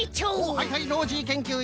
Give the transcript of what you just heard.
はいはいノージーけんきゅういん。